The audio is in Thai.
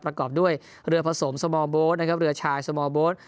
ประกอบด้วยเรือผสมสเมาเบาท์นะครับเหลือชายสเมาเบาท์